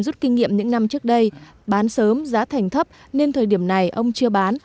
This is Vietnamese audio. rút kinh nghiệm những năm trước đây bán sớm giá thành thấp nên thời điểm này ông chưa bán